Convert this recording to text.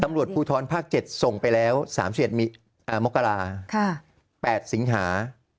ตำรวจภูทรภาค๗ส่งไปแล้ว๓๑มกรา๘สิงหา